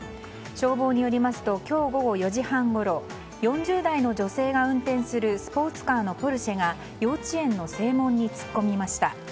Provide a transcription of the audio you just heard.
消防によりますと今日午後４時半ごろ４０代の女性が運転するスポーツカーのポルシェが幼稚園の正門に突っ込みました。